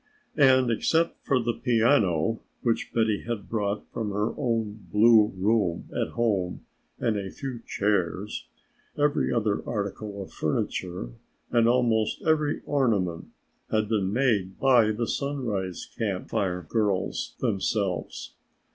And, except for the piano which Betty had brought from her own blue room at home and a few chairs, every other article of furniture and almost every ornament had been made by the Sunrise Camp Fire girls themselves.